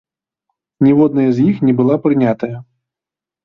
Ніводная з іх не была прынятая.